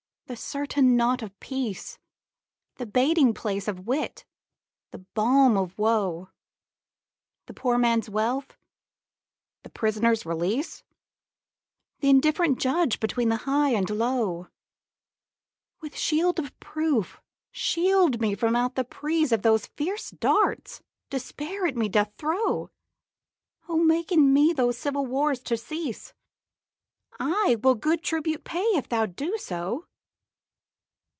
the certain knot of peace, The baiting place of wit, the balm of woe, The poor man's wealth, the prisoner's release, Th' indifferent judge between the high and low; With shield of proof, shield me from out the preaseOf those fierce darts Despair at me doth throw:O make in me those civil wars to cease;I will good tribute pay, if thou do so.